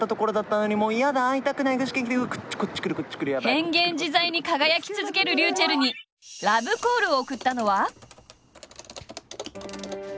変幻自在に輝き続けるｒｙｕｃｈｅｌｌにラブコールを送ったのは。